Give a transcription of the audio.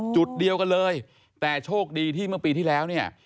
จุดเดียวกันเลยแต่โชคดีที่เมื่อปีที่แล้วเนี่ย